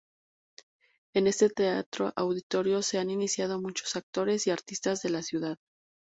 En este teatro auditorio se han iniciado muchos actores y artistas de la ciudad.